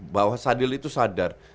bahwa sadil itu sadar